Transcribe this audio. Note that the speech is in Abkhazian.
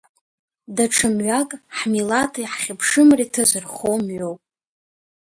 Даҽа мҩак ҳмилаҭи ҳҳьыԥшымреи ҭазырхо мҩоуп.